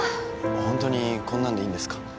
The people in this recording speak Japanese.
ホントにこんなんでいいんですか？